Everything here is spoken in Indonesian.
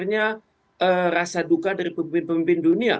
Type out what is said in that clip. sebenarnya rasa duka dari pemimpin pemimpin dunia